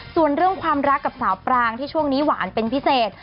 ส่วนเรื่องความรักกับสาวปรางที่ช่วงนี้หวานเป็นพิเศษ